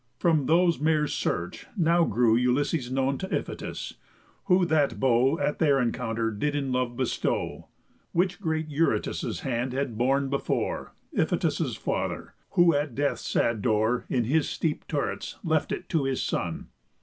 From those mares' search now grew Ulysses known t' Iphitus; who that bow At their encounter did in love bestow, Which great Eurytus' hand had borne before, (Iphitus' father) who, at death's sad door, In his steep turrets, left it to his son.